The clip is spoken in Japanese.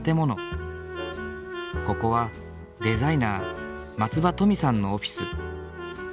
ここはデザイナー松場登美さんのオフィス。